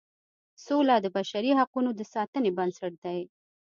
سوله د بشري حقوقو د ساتنې بنسټ دی.